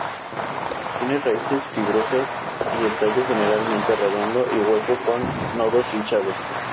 Tiene raíces fibrosas y el tallo generalmente redondo y hueco con nodos hinchados.